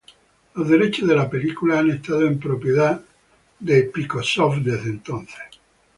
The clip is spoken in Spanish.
Los derechos de la película han estado en propiedad de Microsoft desde entonces.